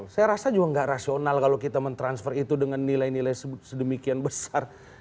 saya rasa juga nggak rasional kalau kita mentransfer itu dengan nilai nilai sedemikian besar